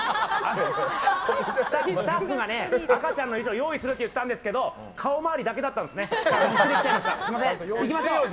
スタッフが赤ちゃんの衣装用意するって言ったんですけど顔周りだけだったんですね。